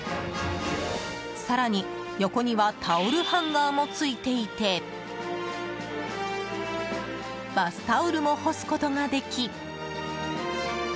更に、横にはタオルハンガーもついていてバスタオルも干すことができ。